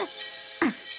うん。